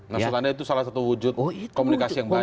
maksud anda itu salah satu wujud komunikasi yang baik